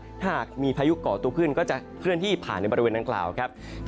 ถ้าหากมีพายุก่อตัวขึ้นก็จะเคลื่อนที่ผ่านในบริเวณดังกล่าวครับ